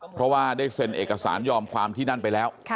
เพราะว่าได้เซ็นเอกสารยอมความที่นั่นไปแล้ว